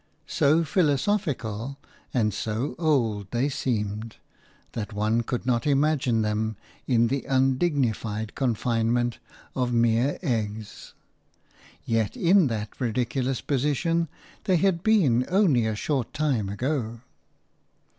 So philosophical and so old they seemed, that one could not imagine them in the undignified confinement of mere eggs; yet in that ridiculous position they had been only a short time ago.